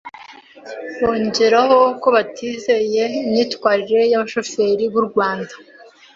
bongeraho ko batizeye imyitwarire y’abashoferi b’u Rwanda